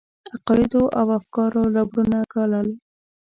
عقایدو او افکارو ربړونه ګالل.